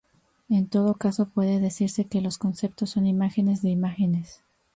En todo caso, puede decirse que los conceptos son imágenes de imágenes.